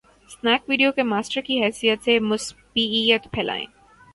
Snack Video کے master کی حیثیت سے ، مثبتیت پھیلائیں۔